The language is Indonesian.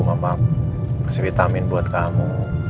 mama kasih vitamin buat kamu